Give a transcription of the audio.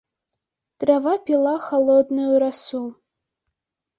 Трава піла халодную расу.